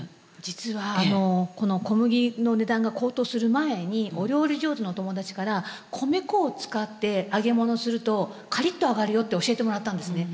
実はこの小麦の値段が高騰する前にお料理上手のお友達から「米粉を使って揚げ物するとカリッと揚がるよ」って教えてもらったんですね。